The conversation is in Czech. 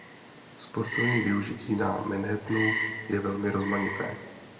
Sportovní využití na Manhattanu je velmi rozmanité.